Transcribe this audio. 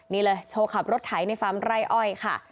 นี่เลยโชว์ขับรถไถในฟาร์มไร่อ้อยค่ะ